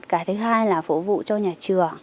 cái thứ hai là phục vụ cho nhà trường